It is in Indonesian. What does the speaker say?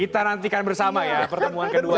kita nantikan bersama ya pertemuan kedua